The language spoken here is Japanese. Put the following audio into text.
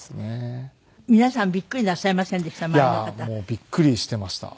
びっくりしていました。